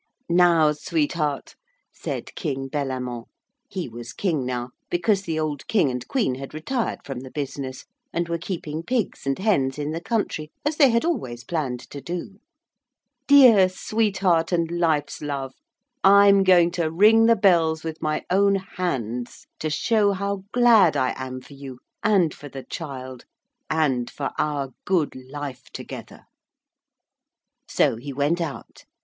'Now sweetheart,' said King Bellamant he was king now because the old king and queen had retired from the business, and were keeping pigs and hens in the country as they had always planned to do 'dear sweetheart and life's love, I am going to ring the bells with my own hands, to show how glad I am for you, and for the child, and for our good life together.' So he went out.